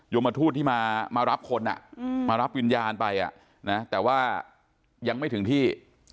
มทูตที่มารับคนมารับวิญญาณไปแต่ว่ายังไม่ถึงที่